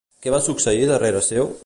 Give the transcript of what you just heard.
Què va succeir darrere seu?